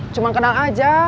cuma kenang aja